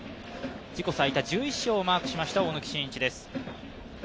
自己最多１１勝をマークした大貫晋一です。